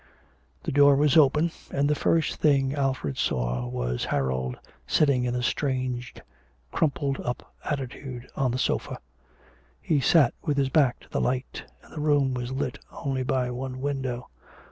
The door was open, and the first thing Alfred saw was Harold sitting in a strange crumpled up attitude on the sofa. He sat with his back to the light, and the room was lit only by one window.